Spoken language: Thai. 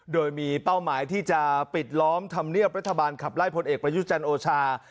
โดยมีเป้าหมายที่จะปิดล้อมธรรมเนียบรัฐบาลขับไล่พลเอกประยุจันทร์โอชา